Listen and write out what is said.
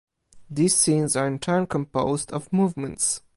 These scenes are in turn composed of "movements".